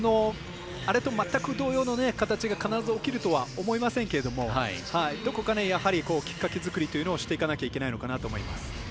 あれと全く同様の形が必ず起きるとは限りませんけどどこかできっかけ作りというのをしていかないといけないのかなと思います。